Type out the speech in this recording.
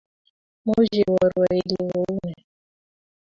much iborwe ile kou ne?